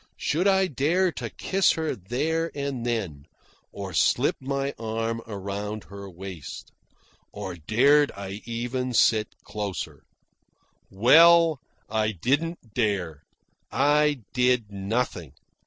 Should I dare to kiss her there and then, or slip my arm around her waist? Or dared I even sit closer? Well, I didn't dare. I did nothing.